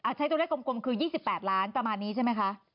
ใช้ตัวเลขกลมคือ๒๘ล้านประมาณนี้ใช่ไหมคะ